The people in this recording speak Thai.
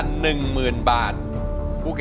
ร้องได้เห็นแม่มีสุขใจ